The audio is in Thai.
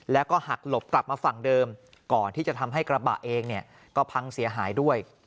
แล้วก็หักหลบกลับมาฝั่งเดิมก่อนที่จะทำให้กระบะเองเนี่ยก็พังเสียหายด้วย